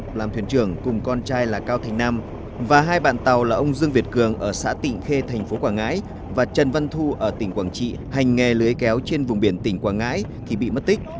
cao văn hiệp làm thuyền trưởng cùng con trai là cao thành nam và hai bạn tàu là ông dương việt cường ở xã tịnh khê tp quảng ngãi và trần văn thu ở tỉnh quảng trị hành nghề lưới kéo trên vùng biển tỉnh quảng ngãi khi bị mất tích